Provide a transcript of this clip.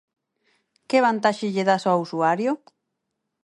Que vantaxe lle das ao usuario?